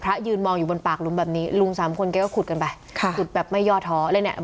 ยืนมองอยู่บนปากหลุมแบบนี้ลุงสามคนแกก็ขุดกันไปค่ะขุดแบบไม่ย่อท้อเลยเนี่ย